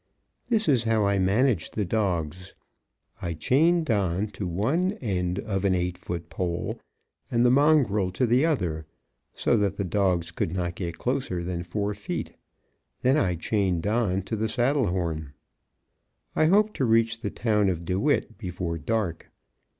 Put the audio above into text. This is how I managed the dogs. I chained Don to one end of an eight foot pole, and the mongrel to the other, so that the dogs could not get closer than four feet. Then I chained Don to the saddle horn. I hoped to reach the town of DeWitt before dark.